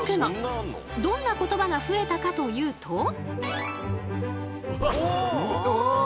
どんな言葉が増えたかというと。